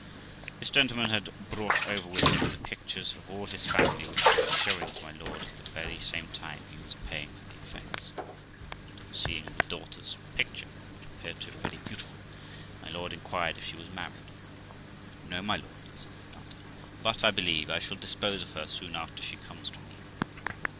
This gentleman had brought over with him the pictures of all his family, which he was showing to my lord at the same time he was paying for 41 6 THE LIFE OF ROXANA the effects; and on seeing the daughter's picture, which appeared to him very beautiful, my lord inquired if she was married. 'No, my lord', says the planter, 'but I believe I shall dispose of her soon after she comes to me.'